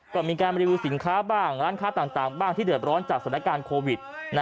ก็มีการรีวิวสินค้าบ้างร้านค้าต่างบ้างที่เดือดร้อนจากสถานการณ์โควิด